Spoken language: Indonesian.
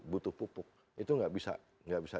butuh pupuk itu nggak bisa